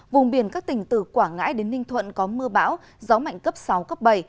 vùng biển các tỉnh từ quảng ngãi đến ninh thuận có mưa bão gió mạnh cấp sáu cấp bảy